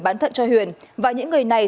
bán thận cho huyền và những người này